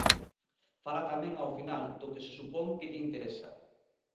Fala tamén ao final do que se supón que lle interesa.